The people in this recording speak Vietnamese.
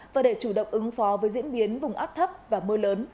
và để chủ động ứng phó với diễn biến vùng áp thấp và mưa lớn